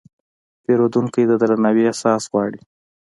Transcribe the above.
پیرودونکی د درناوي احساس غواړي.